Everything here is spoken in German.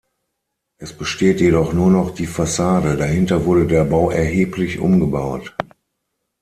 Es besteht jedoch nur noch die Fassade, dahinter wurde der Bau erheblich umgebaut.